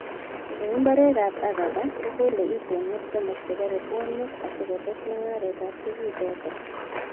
eng mbarekab Agatha, kokolei itonwek somok chebo robwoniek asikotes mung'aretab tukuchoto